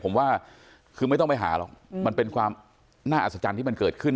ผมว่าคือไม่ต้องไปหาหรอกมันเป็นความน่าอัศจรรย์ที่มันเกิดขึ้น